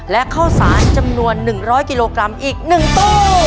และข้าวสารจำนวน๑๐๐กิโลกรัมอีก๑ตู้